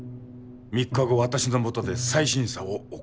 ３日後私のもとで再審査を行う。